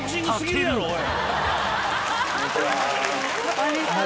・こんにちは・